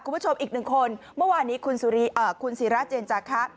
คุณผู้ชมอีกหนึ่งคนเมื่อวานนี้คุณศิราเจนจาคะ